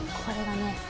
これがね